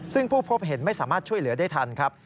ซึ่งผู้พบเห็นไม่สามารถช่วยเหลือได้ทันครับ